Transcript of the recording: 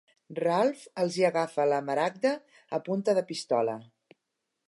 Ralph els hi agafa la maragda a punta de pistola.